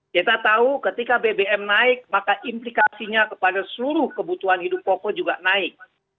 kita tahu ketika bbm naik maka implikasinya kepada seluruh kebutuhan hidup pokok juga naik